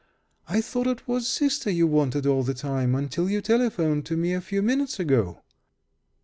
I thought it was sister you wanted all the time, until you telephoned to me a few minutes ago!"